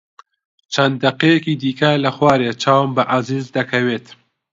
چەند دەقەیەکی دیکە لە خوارێ چاوم بە عەزیز دەکەوێت.